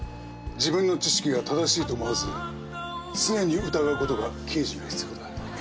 自分の知識が正しいと思わず常に疑うことが刑事には必要だ。